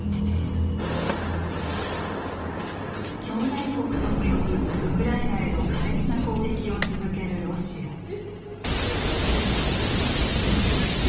兄弟国とも呼ぶウクライナへの苛烈な攻撃を続けるロシア。